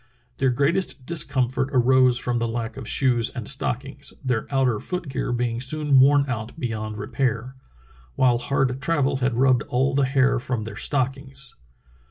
Their greatest discomfort arose from the lack of shoes and stockings, their outer foot gear being soon worn out beyond repair, while hard travel had rubbed all the hair from their stockings.